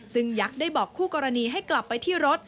ซึ่งยักษ์ได้บอกคู่กรณีให้กลับไปที่รถ